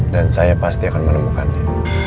dan saya pasti akan menemukannya